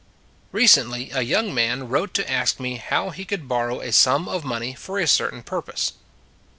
RECENTLY a young man wrote to ask me how he could borrow a sum of money for a certain purpose.